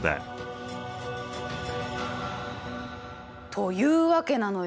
というわけなのよ。